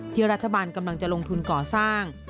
รัฐบาลกำลังจะลงทุนก่อสร้าง